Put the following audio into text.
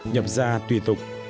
nhập ra tùy tục